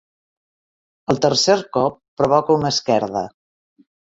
El tercer cop provoca una esquerda.